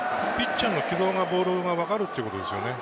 ピッチャーの軌道のボールが分かるということですね。